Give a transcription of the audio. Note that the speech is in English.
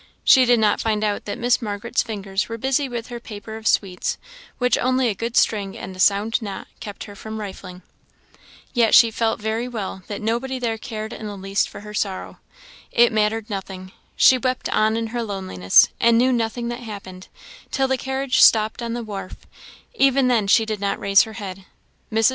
She did not find out that Miss Margaret's fingers were busy with her paper of sweets, which only a good string and a sound knot kept her from rifling. Yet she felt very well that nobody there cared in the least for her sorrow. It mattered nothing; she wept on in her loneliness, and knew nothing that happened, till the carriage stopped on the wharf; even then she did not raise her head. Mrs.